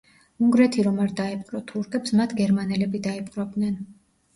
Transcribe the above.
უნგრეთი რომ არ დაეპყრო თურქებს მათ გერმანელები დაიპყრობდნენ.